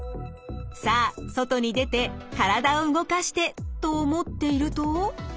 「さあ外に出て体を動かして」と思っていると。